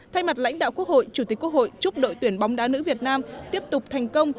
thay mặt lãnh đạo quốc hội chủ tịch quốc hội chúc đội tuyển bóng đá nữ việt nam tiếp tục thành công